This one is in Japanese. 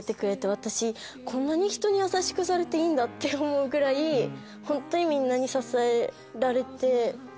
私こんなに人に優しくされていいんだ！って思うぐらい本当にみんなに支えられて。